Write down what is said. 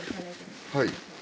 はい。